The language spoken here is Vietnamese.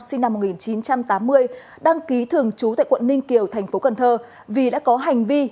sinh năm một nghìn chín trăm tám mươi đăng ký thường trú tại quận ninh kiều tp cn vì đã có hành vi